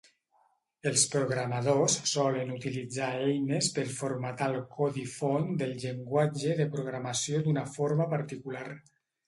Els programadors solen utilitzar eines per formatar el codi font del llenguatge de programació d'una forma particular.